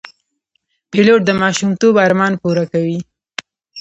پیلوټ د ماشومتوب ارمان پوره کوي.